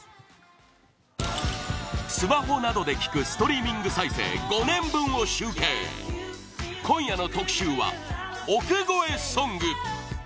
スマホなどで聴くストリーミング再生５年分を集計今夜の特集は億超えソング！